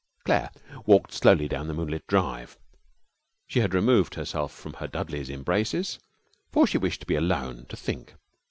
Claire walked slowly down the moonlit drive. She had removed herself from her Dudley's embraces, for she wished to be alone, to think.